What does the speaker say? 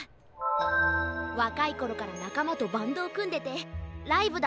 わかいころからなかまとバンドをくんでてライブだ